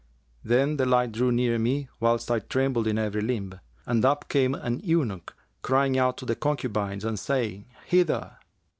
Then the light drew near me, whilst I trembled in every limb; and up came an eunuch, crying out to the concubines and saying, 'Hither!'